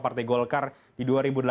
partai golkar di dua ribu delapan belas